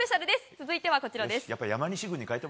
続いては、こちらです。